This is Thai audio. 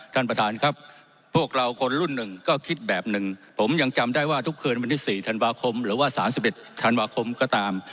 ท่านประธานครับพวกเราคนรุ่นหนึ่งก็คิดแบบหนึ่งผมยังจำได้ว่าทุกคืนวันที่๔ธันวาคมหรือว่า๓๑ธันวาคมก็ตาม